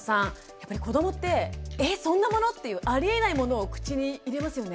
やっぱり子どもって「えっそんなもの？」っていうありえないものを口に入れますよね？